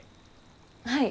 はい？